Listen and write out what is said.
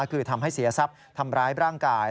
คือทำให้เสียทรัพย์ทำร้ายร่างกาย